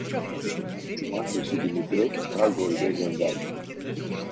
Cumartesi günü direkt kargo ile gönderdim